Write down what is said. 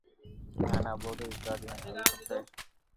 ھين آ ٻولي رآڪارذ ۔ آوي کپي